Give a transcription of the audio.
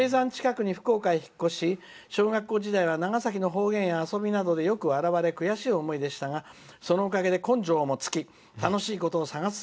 閉山で引っ越し小学校時代は長崎の方言や遊びなどでよく笑われ悔しい思いをしてましたがそのおかげで根性もつきました。